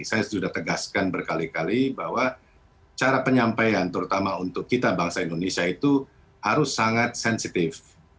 saya sudah tegaskan berkali kali bahwa cara penyampaian terutama untuk kita bangsa indonesia itu harus sangat sensitif